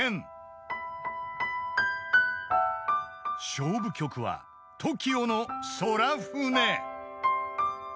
［勝負曲はＴＯＫＩＯの『宙船』］